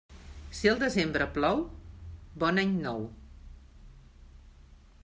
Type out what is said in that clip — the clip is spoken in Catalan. Si el desembre plou, bon any nou.